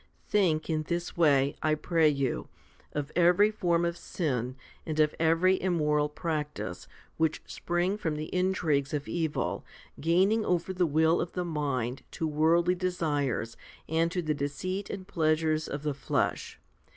Think in this way, I pray you, of every form of sin and of every immoral practice, which spring from the intrigues of evil, gaining over the will of the mind to worldly desires and to the deceit and pleasure of the flesh.